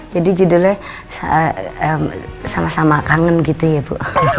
jadi judulnya sama sama kangen gitu ya bu